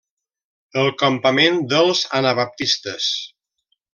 El campament dels anabaptistes.